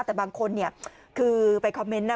แต่บางคนคือไปคอมเมนต์นะ